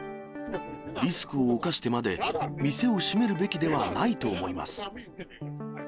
リスクを冒してまで店を閉めるべきではないと思います。